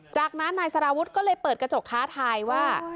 จากนั้นนายสารวุฒิก็เลยเปิดกระจกท้าทายว่า